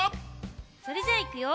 それじゃあいくよ！